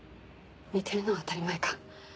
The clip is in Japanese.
似てるのは当たり前か。